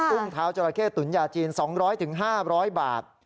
ุ้งเท้าจราเข้ตุ๋นยาจีน๒๐๐๕๐๐บาท